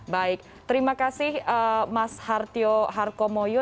baik terima kasih mas hartio harkomoyo